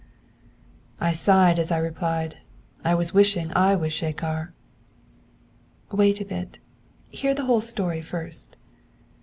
I sighed as I replied: 'I was wishing I was Shekhar!' 'Wait a bit. Hear the whole story first.